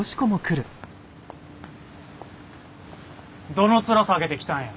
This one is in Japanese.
どのツラさげてきたんや。